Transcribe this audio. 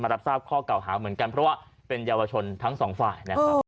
รับทราบข้อเก่าหาเหมือนกันเพราะว่าเป็นเยาวชนทั้งสองฝ่ายนะครับ